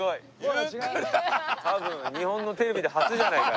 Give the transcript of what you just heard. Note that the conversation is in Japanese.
多分日本のテレビで初じゃないか？